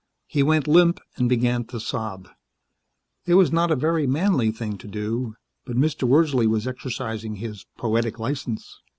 He went limp and began to sob. It was not a very manly thing to do, but Mr. Wordsley was exercising his poetic license.